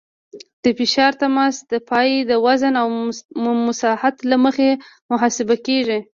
د فشار تماس د پایې د وزن او مساحت له مخې محاسبه کیږي